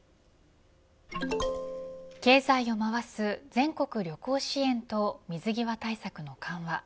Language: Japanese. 経済を回す全国旅行支援と水際対策の緩和。